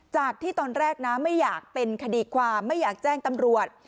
จากที่ตอนแรกนะไม่อยากเป็นคดีความไม่อยากแจ้งตำรวจ